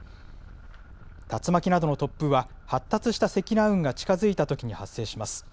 竜巻などの突風は、発達した積乱雲が近づいたときに発生します。